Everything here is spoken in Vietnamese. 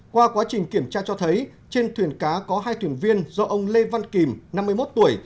qua quá trình kiểm tra cho thấy trên thuyền cá có hai thuyền viên do ông lê văn kìm năm mươi một tuổi